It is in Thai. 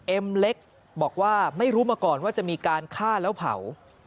เล็กบอกว่าไม่รู้มาก่อนว่าจะมีการฆ่าแล้วเผา